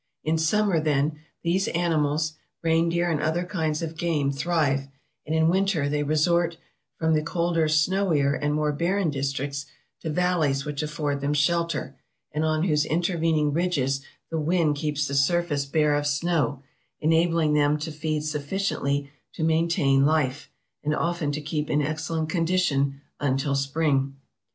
In summer, then, these animals, reindeer and other kinds of game, thrive; and in winter they resort from the colder, snowier and more barren districts, to valleys which afford them shelter, and on whose intervening ridges the wind keeps the surface bare of snow, enabling them to feed sufficiently to maintain life, and often to keep in excellent condition, until spring.